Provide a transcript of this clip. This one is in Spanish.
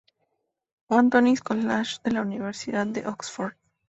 Antony´s College de la Universidad de Oxford.